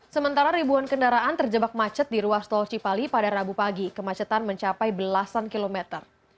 sementara ribuan kendaraan terjebak macet di ruas tol cipali pada rabu pagi kemacetan mencapai belasan kilometer